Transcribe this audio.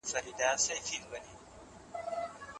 فارابي او ابن خلدون مهم دي.